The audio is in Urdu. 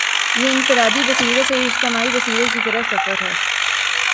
یہ انفرادی بصیرت سے اجتماعی بصیرت کی طرف سفر ہے۔